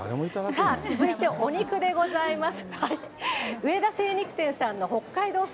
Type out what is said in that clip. さあ、続いてお肉でございます。